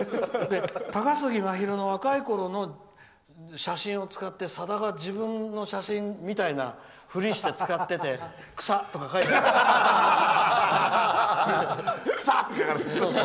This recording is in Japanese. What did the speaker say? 高杉真宙の若いころの写真を使ってさだが自分の写真みたいなふりして使ってて草！とか書いてあって。